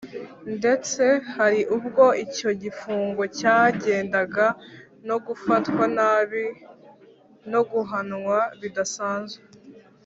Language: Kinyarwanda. nde tse hari ubwo icyo gifungo cyagendana no gufatwa nabi no guhanwa bidasanzwe.